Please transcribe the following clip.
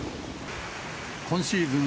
今シーズン